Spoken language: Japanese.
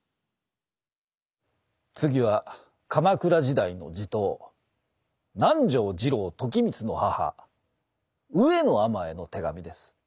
次は鎌倉時代の地頭南条次郎時光の母上野尼への手紙です。